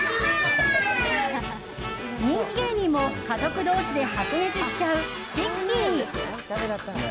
人気芸人も家族同士で白熱しちゃうスティッキー。